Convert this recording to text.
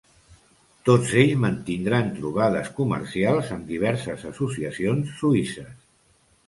Tots ells mantindran trobades comercials amb diverses associacions suïsses.